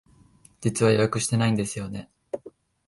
実は予約してないんですよね。